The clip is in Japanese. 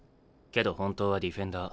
けど本当はディフェンダー。